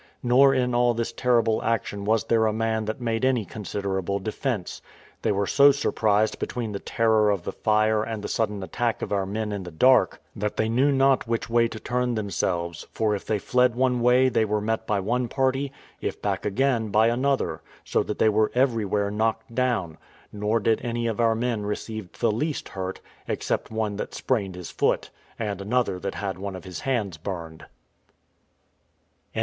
Nor in all this terrible action was there a man that made any considerable defence: they were so surprised between the terror of the fire and the sudden attack of our men in the dark, that they knew not which way to turn themselves; for if they fled one way they were met by one party, if back again by another, so that they were everywhere knocked down; nor did any of our men receive the least hurt, except one that sprained his foot, and another that had one of his hands burned.